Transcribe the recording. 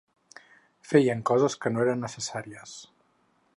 Fèiem coses que no eren necessàries.